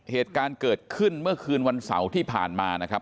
เหตุการณ์เกิดขึ้นเมื่อคืนวันเสาร์ที่ผ่านมานะครับ